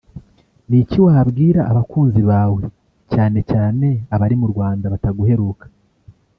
Ni iki wabwira abakunzi bawe cyane cyane abari mu Rwanda bataguheruka